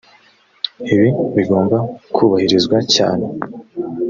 ibi bigomba kubahirizwa cyane